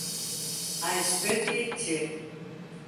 A especie "Ch.